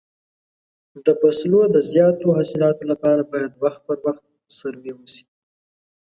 د فصلو د زیاتو حاصلاتو لپاره باید وخت پر وخت سروې وشي.